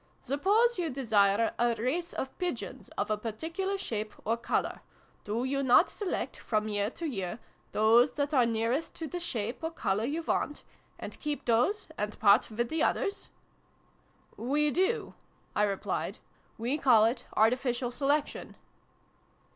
" Suppose you desire a race of pigeons of a particular shape or colour, do you not select, from year to year, those that are nearest to the shape or colour you want, and keep those, and part with the others ?" "We do," I replied. "We call it 'Arti ficial Selection."